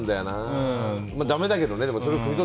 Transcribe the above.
だめだけどね。